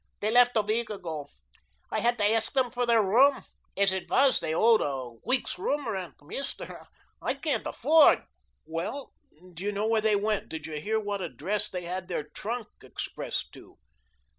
They left a week ago. I had to ask them for their room. As it was, they owed a week's room rent. Mister, I can't afford " "Well, do you know where they went? Did you hear what address they had their trunk expressed to?"